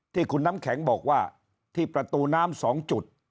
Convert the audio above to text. ที่คุณน้ำแข็งบอกว่าที่ประตูน้ำ๒จุด